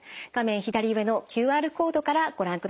左上のＱＲコードからご覧ください。